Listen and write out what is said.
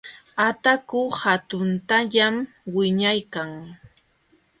Ataku hatuntañam wiñaykan.